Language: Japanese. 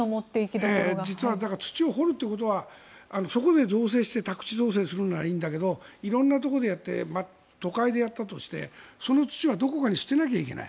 土を掘るということはそこで造成して宅地造成するならいいんだけど色んなところでやって都会でやったとしてその土はどこかに捨てなきゃいけない。